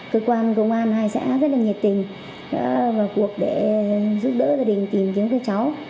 cơ quan công an hai xã rất là nhiệt tình đã vào cuộc để giúp đỡ gia đình tìm kiếm với cháu